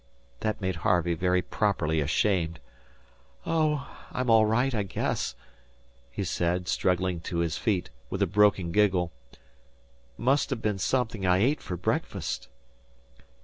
That made Harvey very properly ashamed. "Oh, I'm all right, I guess," he said, struggling to his feet, with a broken giggle. "Must ha' been something I ate for breakfast."